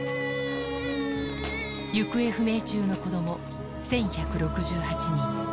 行方不明中の子ども１１６８人。